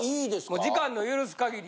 時間の許す限り。